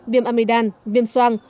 viêm amidam viêm soang